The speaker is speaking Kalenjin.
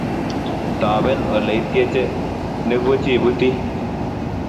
Taben oleityeche, ne buch ibuti.